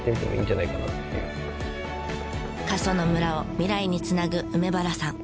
過疎の村を未来につなぐ梅原さん。